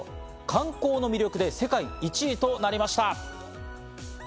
観光の魅力で世界１位となりました。